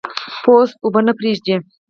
پوست اوبه نه پرېږدي.